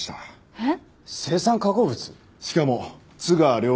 えっ？